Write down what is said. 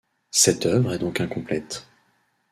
Cette œuvre est donc incomplète.